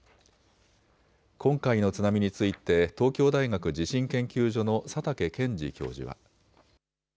今回の津波について東京大学地震研究所の佐竹健治教授は。